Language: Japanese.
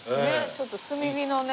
ちょっと炭火のね